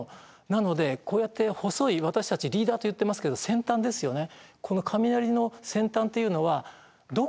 なのでこうやって細い私たちリーダといってますけど先端ですよね。